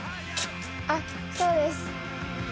あっそうです。